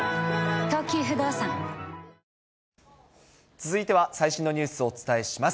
続いては最新のニュースをお伝えします。